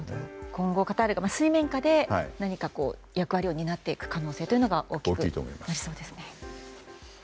今後、カタールが水面下で何か担っていく可能性というのは大きくなりそうですね。